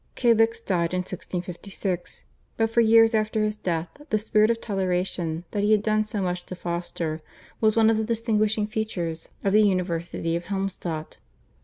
Calixt died in 1656, but for years after his death the spirit of toleration, that he had done so much to foster, was one of the distinguishing features of the University of Helmstadt.